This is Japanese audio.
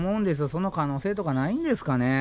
その可能性とかないんですかね。